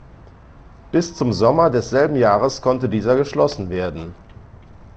Bis zum Sommer desselben Jahres konnte dieser geschlossen werden.